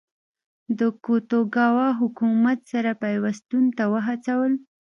د توکوګاوا حکومت سره پیوستون ته وهڅول.